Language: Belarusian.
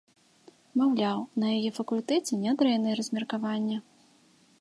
Маўляў, на яе факультэце нядрэннае размеркаванне.